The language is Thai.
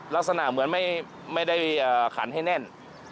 ลักษณะเหมือนไม่ได้ขันให้แน่น